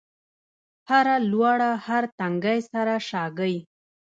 هره لوړه، هر تنګی هره شاګۍ